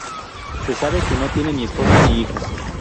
Se sabe que no tiene ni esposa ni hijos.